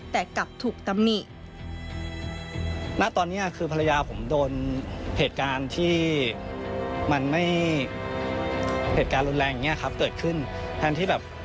แต่กลับถูกตำหนิ